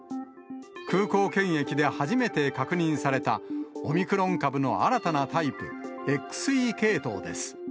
空港検疫で初めて確認されたオミクロン株の新たなタイプ、ＸＥ系統です。